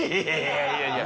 いやいや！